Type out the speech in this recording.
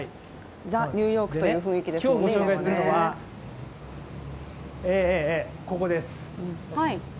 今日ご紹介するのは、ここです。